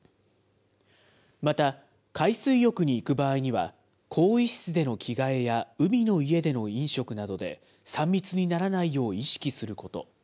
また、海水浴に行く場合には、更衣室での着替えや、海の家での飲食などで３密にならないよう意識すること。